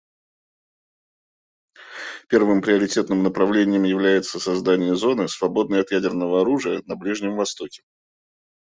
Первым приоритетным направлением является создание зоны, свободной от ядерного оружия, на Ближнем Востоке.